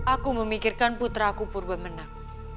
aku memikirkan putraku purba menak